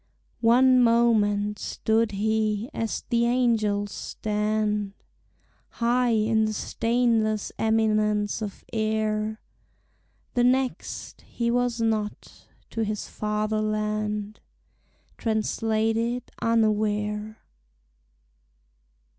One moment stood he as the angels stand, High in the stainless eminence of air; The next, he was not, to his fatherland Translated unaware.